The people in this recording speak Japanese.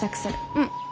うん。